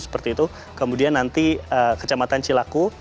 seperti itu kemudian nanti kecamatan cilaku